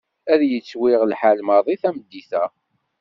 Ad yettwiɣ lḥal maḍi tameddit-a.